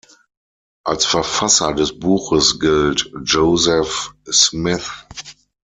Als Verfasser des Buches gilt Joseph Smith.